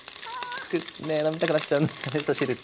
ねえ飲みたくなっちゃうんですよねみそ汁って。